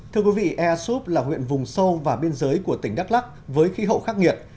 thưa quý vị ea súp là huyện vùng sâu và biên giới của tỉnh đắk lắc với khí hậu khắc nghiệt